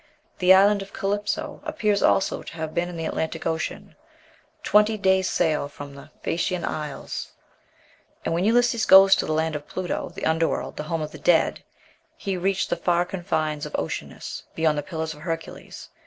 The island of Calypso appears also to have been in the Atlantic Ocean, twenty days' sail from the Phæacian isles; and when Ulysses goes to the land of Pluto, "the under world," the home of the dead, he "Reached the far confines of Oceanus," beyond the Pillars of Hercules.